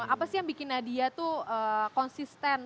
apa sih yang bikin nadia tuh konsisten